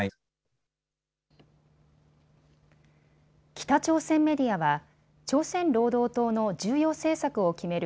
北朝鮮メディアは朝鮮労働党の重要政策を決める